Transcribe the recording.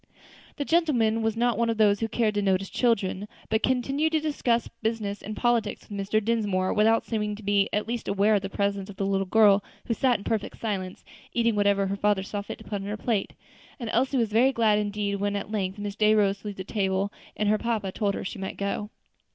The gentleman was not one of those who care to notice children, but continued to discuss business and politics with Mr. Dinsmore, without seeming to be in the least aware of the presence of the little girl, who sat in perfect silence, eating whatever her father saw fit to put upon her plate; and Elsie was very glad indeed when at length Miss Day rose to leave the table, and her papa told her she might go too.